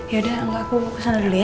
yaudah mau aku kesana dulu ya